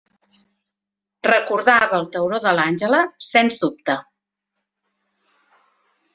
Recordava el tauró de l'Àngela, sens dubte.